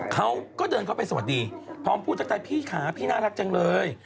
เขาก็เดินเข้าไปสวัสดีพร้อมพูดทักใจพี่ค่ะพี่น่ารักจังเลย